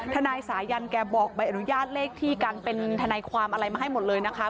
ทนายสายันแกบอกใบอนุญาตเลขที่การเป็นทนายความอะไรมาให้หมดเลยนะคะ